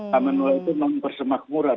commonwealth itu mempersemakmuran